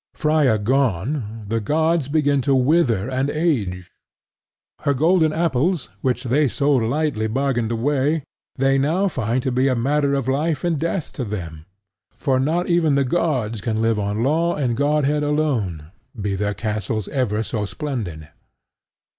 Freia gone, the gods begin to wither and age: her golden apples, which they so lightly bargained away, they now find to be a matter of life and death to them; for not even the gods can live on Law and Godhead alone, be their castles ever so splendid.